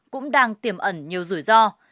cũng đang tiềm ẩn nhiều rủi ro